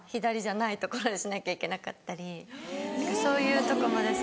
そういうとこまで。